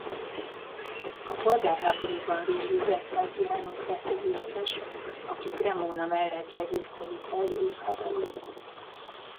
A polgárháborúban végül Vespasianus lett a győztes aki Cremona mellett legyőzte Vitellius hadait.